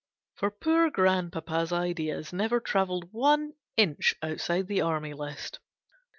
For poor grandpapa's ideas never travelled one inch outside the Army List.